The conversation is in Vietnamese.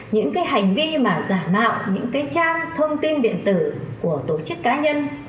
những cái hành vi mà giả mạo những cái trang thông tin điện tử của tổ chức cá nhân